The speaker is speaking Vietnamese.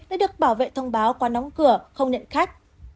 đã được bảo vệ thông báo qua đóng cửa không nhận khách